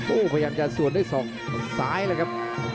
โอ้โหพยายามจะสวนด้วยศอกซ้ายเลยครับ